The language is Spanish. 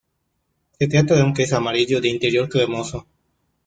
Se trata de un queso amarillo, de interior cremoso.